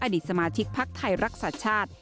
อดีตสมาชิกภักดิ์ไทยรักษาชาติ